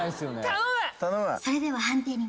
頼む！